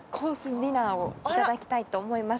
ディナーをいただきたいと思います。